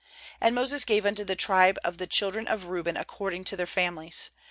15And Moses gave unto the tribe of the children of Reuben according to their families.